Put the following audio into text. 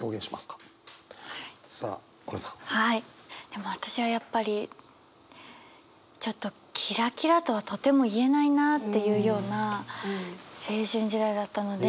でも私はやっぱりちょっとキラキラとはとても言えないなっていうような青春時代だったので。